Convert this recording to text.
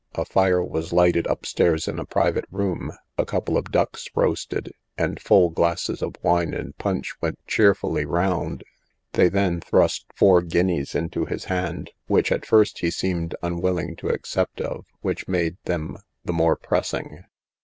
A fire was lighted up stairs in a private room, a couple of ducks roasted, and full glasses of wine and punch went cheerfully round; they then thrust four guineas into his hand, which at first he seemed unwilling to accept of, which made them the more pressing.